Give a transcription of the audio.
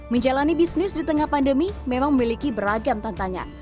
menjalani bisnis di tengah pandemi memang memiliki beragam tantangan